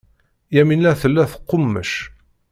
Yamina tella teqqummec.